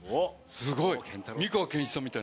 すごい。